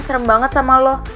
serem banget sama lo